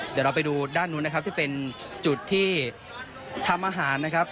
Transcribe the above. เดี๋ยวเราไปดูด้านนู้นนะครับที่เป็นจุดที่ทำอาหารนะครับ